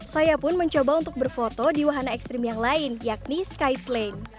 saya pun mencoba untuk berfoto di wahana ekstrim yang lain yakni skype